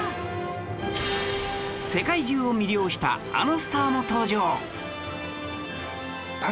世界中を魅了したあのスターも登場